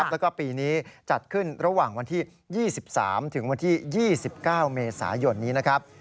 แล้วก็ปีนี้จัดขึ้นระหว่างวันที่๒๓ถึงวันที่๒๙เมษายนนี้นะครับ